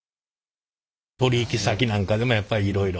取引先なんかでもやっぱいろいろ？